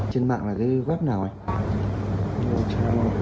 trên mạng là cái web nào anh